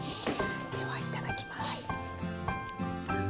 ではいただきます。